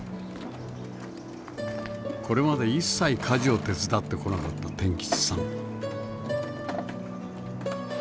これまで一切家事を手伝ってこなかった天吉さん。